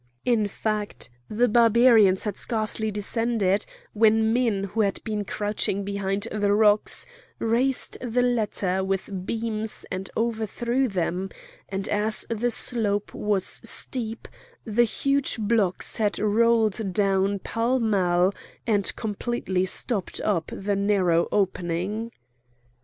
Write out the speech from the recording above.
In fact the Barbarians had scarcely descended when men who had been crouching behind the rocks raised the latter with beams and overthrew them, and as the slope was steep the huge blocks had rolled down pell mell and completely stopped up the narrow opening.